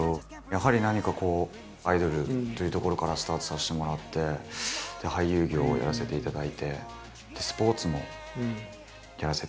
やはり何かこうアイドルというところからスタートさせてもらって俳優業をやらせていただいてスポーツもやらせていただいて。